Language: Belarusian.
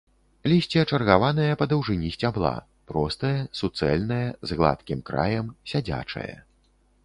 Лісце чаргаванае па даўжыні сцябла, простае, суцэльнае, з гладкім краем, сядзячае.